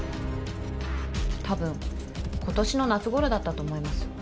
多分今年の夏頃だったと思います。